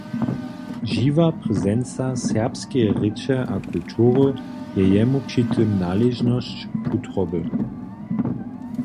Žiwa prezenca serbskeje rěče a kultury je jemu při tym naležnosć wutroby.